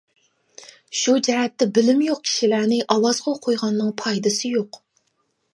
شۇ جەھەتتە بىلىم يوق كىشىلەرنى ئاۋازغا قويغاننىڭ پايدىسى يوق.